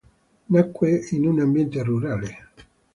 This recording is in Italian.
Nacque in un ambiente rurale.